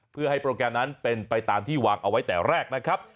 เพื่อให้โปรแกรมนั้นเป็นไปตามที่วางเอาไว้แต่แรกนะครับ